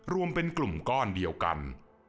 รวมเป็นกลุ่มก้อนเดียวกัน